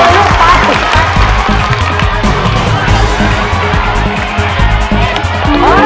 คุณฝนจากชายบรรยาย